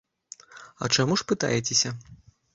А чаму ж, пытайцеся.